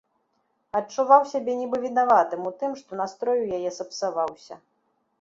Адчуваў сябе нібы вінаватым у тым, што настрой у яе сапсаваўся.